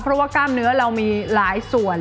เพราะว่ากล้ามเนื้อเรามีหลายส่วน